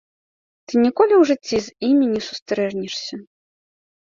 Ты ніколі ў жыцці з імі не сустрэнешся.